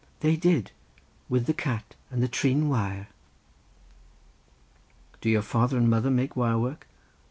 "They did. With the cat and the trin wire." "Do your father and mother make wire work?"